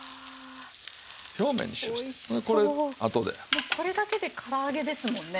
もうこれだけでから揚げですもんね。